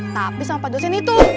tapi sama pak dosen itu